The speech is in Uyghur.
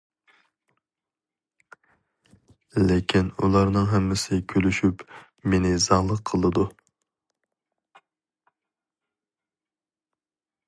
لېكىن ئۇلارنىڭ ھەممىسى كۈلۈشۈپ مېنى زاڭلىق قىلىدۇ.